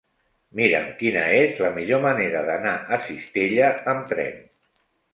Mira'm quina és la millor manera d'anar a Cistella amb tren.